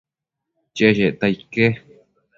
cheshecta ique